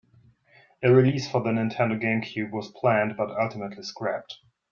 A release for the Nintendo GameCube was planned, but ultimately scrapped.